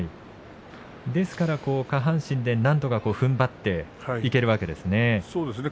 ですから下半身でなんとかふんばっていけるわけですね。